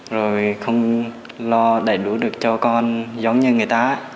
rồi không lo đầy đủ được cho con giống như người ta